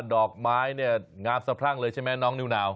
ดอกไม้เนี่ยงามสะพรั่งเลยใช่ไหมน้องนิวนาว